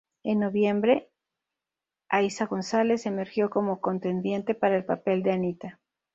En noviembre, Eiza González emergió como contendiente para el papel de Anita.